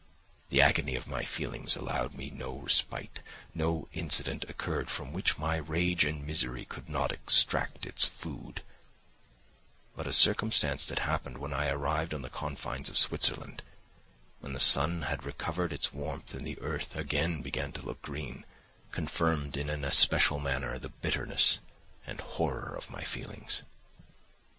The agony of my feelings allowed me no respite; no incident occurred from which my rage and misery could not extract its food; but a circumstance that happened when I arrived on the confines of Switzerland, when the sun had recovered its warmth and the earth again began to look green, confirmed in an especial manner the bitterness and horror of my feelings.